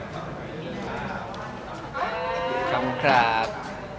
ขอบคุณครับ